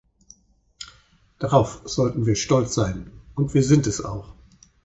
Darauf sollten wir stolz sein, und wir sind es auch.